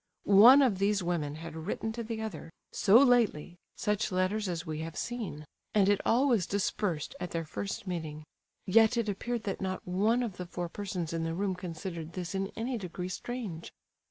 One of these women had written to the other, so lately, such letters as we have seen; and it all was dispersed at their first meeting. Yet it appeared that not one of the four persons in the room considered this in any degree strange.